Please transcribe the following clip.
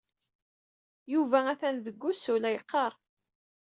Yuba atan deg wusu, la yeqqar.